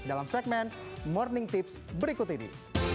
dalam segmen morning tips berikut ini